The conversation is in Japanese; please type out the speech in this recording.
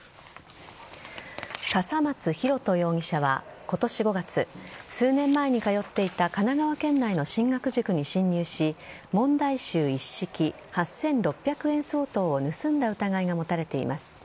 笠松大翔容疑者は今年５月数年前に通っていた神奈川県内の進学塾に侵入し問題集一式、８６００円相当を盗んだ疑いが持たれています。